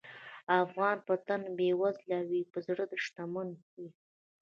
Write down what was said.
افغان که په تن بېوزله وي، په زړه شتمن وي.